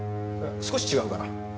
少し違うかな。